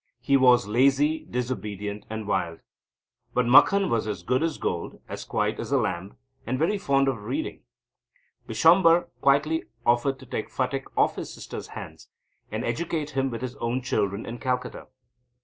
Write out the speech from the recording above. He was lazy, disobedient, and wild. But Makhan was as good as gold, as quiet as a lamb, and very fond of reading, Bishamber kindly offered to take Phatik off his sister's hands, and educate him with his own children in Calcutta.